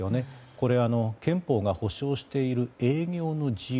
これ、憲法が保障している営業の自由